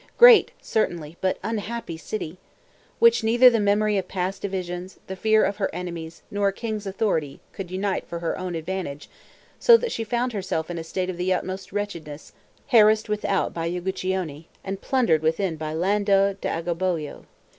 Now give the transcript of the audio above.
Great, certainly, but unhappy city! which neither the memory of past divisions, the fear of her enemies, nor a king's authority, could unite for her own advantage; so that she found herself in a state of the utmost wretchedness, harassed without by Uguccione, and plundered within by Lando d'Agobbio.